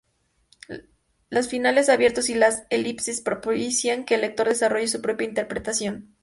Los finales abiertos y las elipsis propician que el lector desarrolle su propia interpretación.